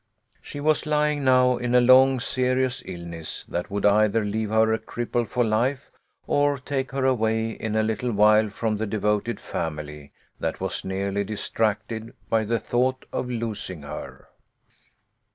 She was lying now in a long, serious illness that would either leave her a cripple for life, or take her away in a little while 108 THE LITTLE COLONEL'S HOLIDAYS. from the devoted family that was nearly distracted by the thought of losing her.